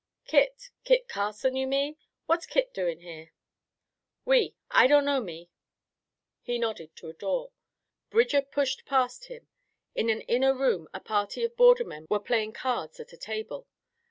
"Kit Kit Carson, you mean? What's Kit doing here?" "Oui. I dunno, me." He nodded to a door. Bridger pushed past him. In an inner room a party of border men were playing cards at a table.